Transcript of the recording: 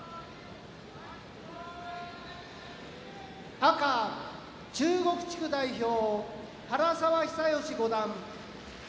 赤中国地区代表、原沢久喜五段。